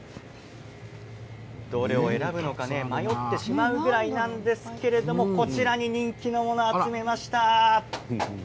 どれを選ぶのか迷ってしまうぐらいなんですけれどもこちらに人気のものを集めました。